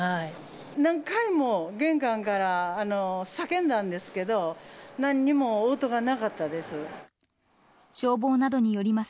何回も玄関から叫んだんですけど、なんにも応答がなかったです。